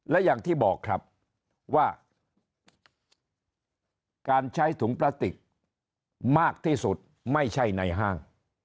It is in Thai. และอย่างที่บอกครับว่าการใช้ถุงพลาสติกมากที่สุดไม่ใช่ในห้าง